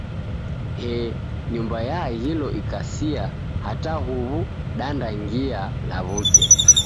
Hee, nyumba yaaghilo ikasia hata huw'u dandaingia law'uke.